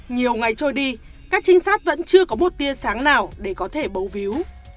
nhiều ngày trôi đi các trinh sát vẫn chưa có một tia sáng nào để có thể bấu víu